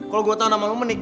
kalau gue tau nama lo menik